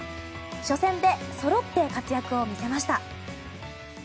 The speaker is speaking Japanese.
初戦でそろって活躍を見せました。